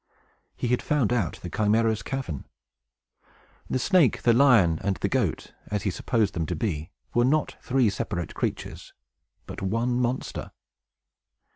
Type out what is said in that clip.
He had found out the Chimæra's cavern. The snake, the lion, and the goat, as he supposed them to be, were not three separate creatures, but one monster!